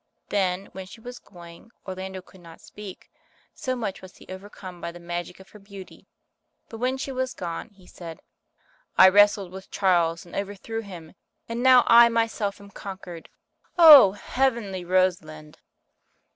Then when she was going, Orlando could not speak, so much was he overcome by the magic of her beauty ; but when she was gone, he said, "I wrestled with Charles, and overthrew him, and now I my self am conquered. Oh, heavenly Rosalind